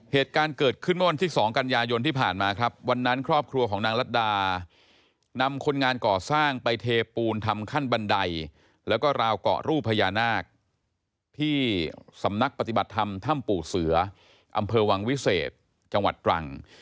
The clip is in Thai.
เหตุการณ์เกิดขึ้นเมื่อวันที่๒กันยายนที่ผ่านมาครับวันนั้นครอบครัวของนางรัฐดานำคนงานก่อสร้างไปเทปูนทำขั้นบันไดแล้วก็ราวเกาะรูปพญานาคที่สำนักปฏิบัติธรรมถ้ำปู่เสืออำเภอวังวิเศษจังหวัดตรัง